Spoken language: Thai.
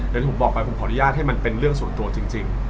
อย่างที่ผมบอกไปผมขออนุญาตให้มันเป็นเรื่องส่วนตัวจริง